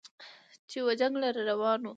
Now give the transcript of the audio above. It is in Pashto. چې و جنګ لره روان و